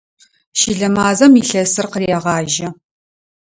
Щылэ мазэм илъэсыр къырегъажьэ.